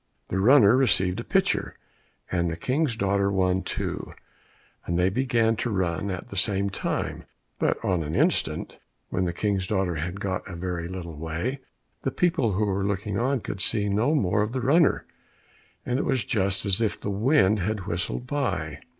The runner received a pitcher, and the King's daughter one too, and they began to run at the same time, but in an instant, when the King's daughter had got a very little way, the people who were looking on could see no more of the runner, and it was just as if the wind had whistled by.